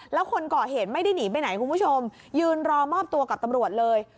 แล้วคนก่อเหตุไม่ได้หนีไปไหนคุณผู้ชมยืนรอมอบตัวกับตำรวจเลย